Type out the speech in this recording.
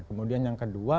kemudian yang keempat